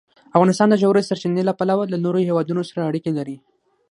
افغانستان د ژورې سرچینې له پلوه له نورو هېوادونو سره اړیکې لري.